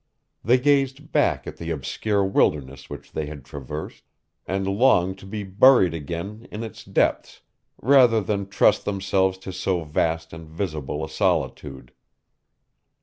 They gazed back at the obscure wilderness which they had traversed, and longed to be buried again in its depths rather than trust themselves to so vast and visible a solitude.